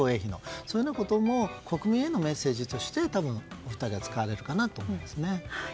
そういうようなことも国民へのメッセージとして多分、お二人は使われるかなと思いますね。